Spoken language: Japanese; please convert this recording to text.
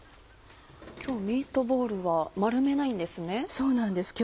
今日ミートボールは丸めないんですね。